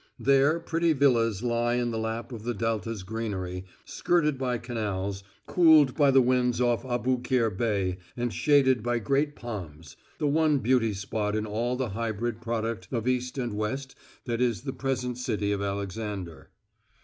There pretty villas lie in the lap of the delta's greenery, skirted by canals, cooled by the winds off Aboukir Bay and shaded by great palms the one beauty spot in all the hybrid product of East and West that is the present city of Alexander.